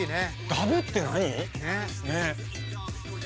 ダブって何？ね。ね。